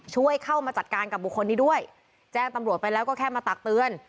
ช่วยเข้ามาจัดการกับบุคคลนี้ด้วยแจ้งตำรวจไปแล้วก็แค่มาตักเตือน